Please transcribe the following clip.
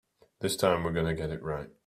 This time we're going to get it right.